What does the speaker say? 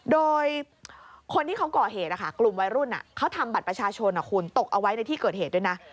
โดยคนที่เขาก่อเหตุกลุ่มวัยรุ่นเขาทำบัตรประชาชนคุณตกเอาไว้ในที่เกิดเหตุด้วยนะ